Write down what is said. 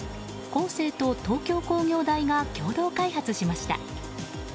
コーセーと東京工業大が共同開発しました。